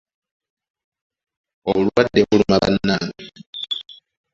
Obulwadde buluma bannange!